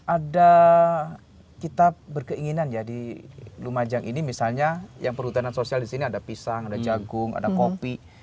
ada kita berkeinginan ya di lumajang ini misalnya yang perhutanan sosial di sini ada pisang ada jagung ada kopi